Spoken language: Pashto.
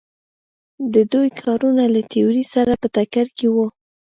د دوی کارونه له تیورۍ سره په ټکر کې وو.